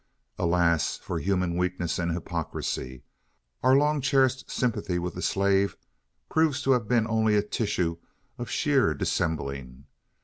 Alas, for human weakness and hypocrisy! Our long cherished sympathy with the slave proves to have been only a tissue of sheer dissembling.